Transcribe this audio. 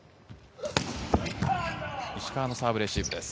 石川のサーブ、レシーブです。